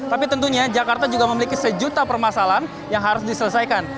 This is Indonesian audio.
tapi tentunya jakarta juga memiliki sejuta permasalahan yang harus diselesaikan